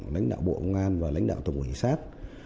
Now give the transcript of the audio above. lãnh đạo bộ ngoan và lãnh đạo tổng hội sát